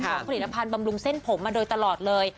ผลิตภัณฑ์บำรุงเส้นผมมาโดยตลอดเลย